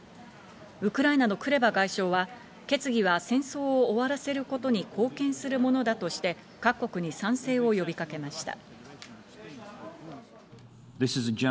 ウクライナのクレバ外相は決議は戦争を終わらせることに貢献するものだとして、各国に賛成を呼びかけました。